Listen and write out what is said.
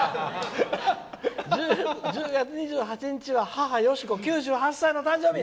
「１０月２８日は母よしこ９８歳の誕生日」。